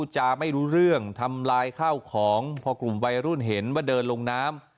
แจ้งก็ยืนถ่ายคลิปตามกระแสขาวครับ